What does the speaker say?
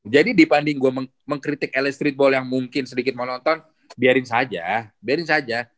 jadi dibanding gue mengkritik la streetball yang mungkin sedikit monoton biarin saja